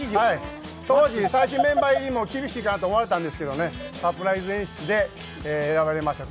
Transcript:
当時、最新メンバー入りも厳しいかなと思われたんですけどサプライズ演出で選ばれました。